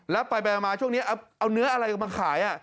แล้วไปมาช่วงนี้เอาเนื้ออะไรมาขาย